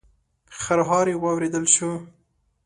خرهاری واورېدل شو.